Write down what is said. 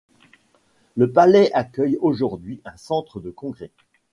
Le palais accueille aujourd'hui un centre de congrès.